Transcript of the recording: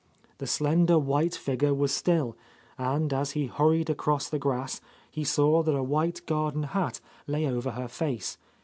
The slender white figure was still, and as he hur ried across the grass he saw that a white garden hat lay over her face.